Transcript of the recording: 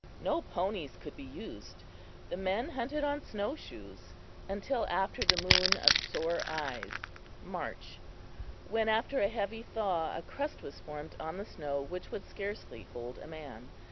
No ponies could be used. The men hunted on snow shoes until after the Moon of Sore Eyes (March), when after a heavy thaw a crust was formed on the snow which would scarcely hold a man.